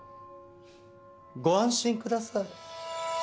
フッご安心ください。